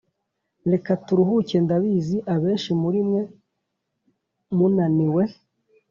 Reka turuhuke ndabizi abenshi muri mwe munaniwe